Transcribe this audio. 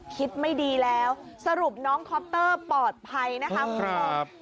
คิดไม่ดีแล้วสรุปน้องคอปเตอร์ปลอดภัยนะครับ